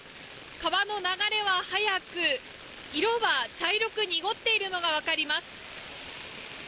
川の流れは速く色は茶色く濁っているのが分かります。